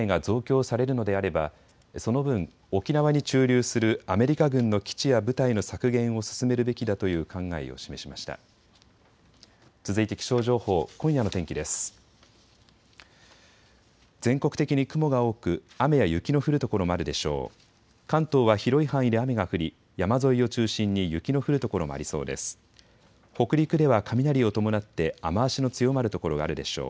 全国的に雲が多く雨や雪の降る所もあるでしょう。